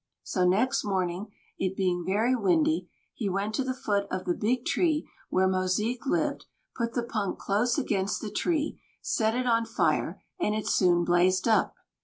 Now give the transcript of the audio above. So next morning, it being very windy, he went to the foot of the big tree where Mosique lived, put the punk close against the tree, set it on fire, and it soon blazed up.